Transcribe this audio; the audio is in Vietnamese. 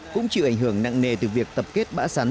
cũng chịu ảnh hưởng nặng nề từ việc tập kết bã sắn